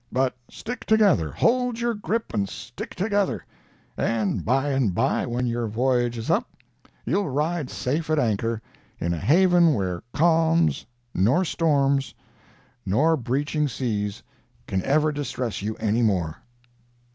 But stick together—hold your grip, and stick together—and by and by, when your voyage is up, you'll ride safe at anchor, in a haven where calms, nor storms, nor breaching seas can ever distress you anymore."